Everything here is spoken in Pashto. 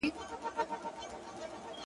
بس همدومره مي زده کړي له استاده!.